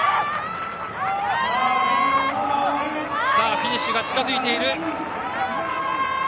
フィニッシュが近づいている。